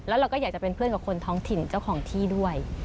แล้วเราก็อยากจะเป็นเพื่อนกับคนท้องถิ่นเจ้าของที่ด้วย